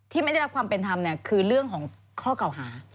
ไม่ได้รับความเป็นธรรมคือเรื่องของข้อเก่าหา